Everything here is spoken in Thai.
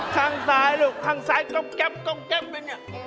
ข้างซ้ายลูกข้างซ้ายก๊อบแก๊ปก๊อบแก๊ปเลยเนี่ย